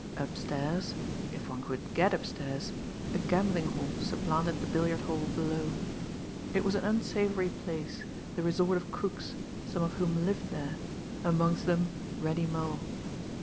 Upstairs, if one could get upstairs, a gambling hell supplanted the billiard hall below. It was an unsavoury place, the resort of crooks, some of whom lived there amongst them, Reddy Mull.